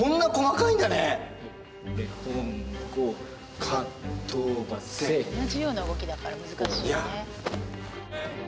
こんなに同じような動きだから難しいよね。